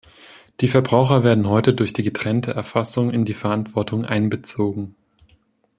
Die Verbraucher werden heute durch die getrennte Erfassung in die Verantwortung einbezogen.